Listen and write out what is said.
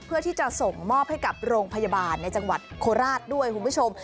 เพื่อที่จะส่งมอบให้กับโรงพยาบาลในจังหวัดโคราชด้วยคุณผู้ชม